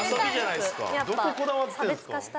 どここだわってるんですか。